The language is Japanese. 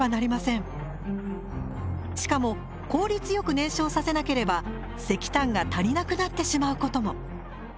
しかも効率よく燃焼させなければ石炭が足りなくなってしまうことも。